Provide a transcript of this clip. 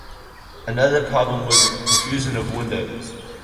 Another problem was a profusion of windows.